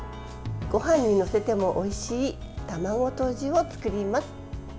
ごはんに載せてもおいしい卵とじを作ります。